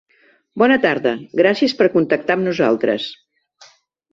Bona tarda, gràcies per contactar amb nosaltres.